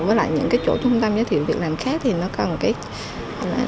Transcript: với lại những cái chỗ trung tâm giới thiệu việc làm khác thì nó cần cái